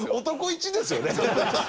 男１ですよね？